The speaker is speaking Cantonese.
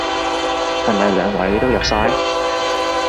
係咪兩位都入晒？